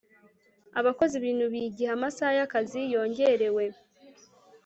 abakozi binubiye igihe amasaha y'akazi yongerewe